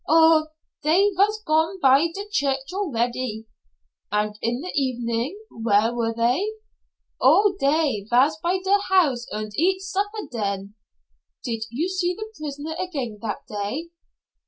"Oh, dey vas gone by der church already." "And in the evening where were they?" "Oh, dey vas by der house und eat supper den." "Did you see the prisoner again that day?"